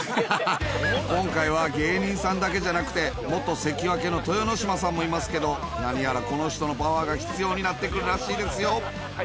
今回は芸人さんだけじゃなくて、元関脇の豊ノ島さんもいますけど、何やらこの人のパワーが必要になってくるらしいですよ。